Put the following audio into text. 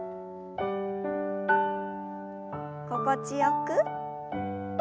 心地よく。